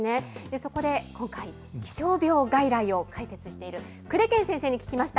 そこで、今回、気象病外来を開設している久手堅先生に聞きました。